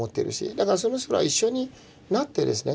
だからそれすら一緒になってですね